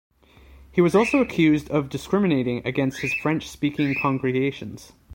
He was also accused of discriminating against his French-speaking congregations.